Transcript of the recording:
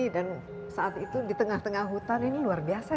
dan saat itu di tengah tengah hutan ini luar biasa